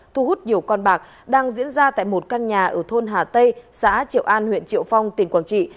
thu hút nhiều con bạc đang diễn ra tại một căn nhà ở thôn hà tây xã triệu an huyện triệu phong tỉnh quảng trị